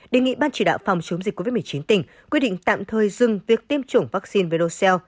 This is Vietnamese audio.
đề nghị ban chỉ đạo phòng chống dịch covid một mươi chín tỉnh quyết định tạm thời dừng việc tiêm chủng vaccine vềdocel